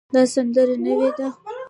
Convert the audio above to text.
دا سندره نوې ده